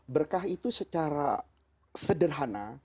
berkah itu secara sederhana